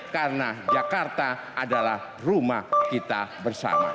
karena jakarta adalah rumah kita bersama